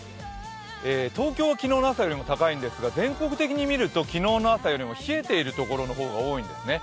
東京は昨日の朝よりも高いんですが全国的に見ると昨日の朝よりも冷えているところの方が多いんですね。